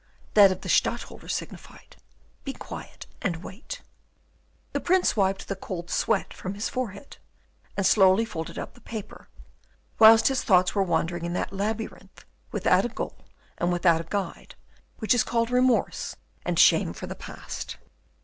That of the Stadtholder signified, "Be quiet, and wait." The Prince wiped the cold sweat from his forehead, and slowly folded up the paper, whilst his thoughts were wandering in that labyrinth without a goal and without a guide, which is called remorse and shame for the past.